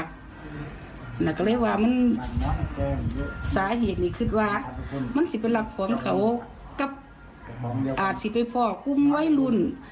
กินเหล้ากินอย่างแน่คือมันสิเป็นเหตุที่ยังผิดใจเขาด้วยเนี่ย